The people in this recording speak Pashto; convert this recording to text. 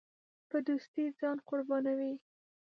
په دوستۍ ځان قربانوي.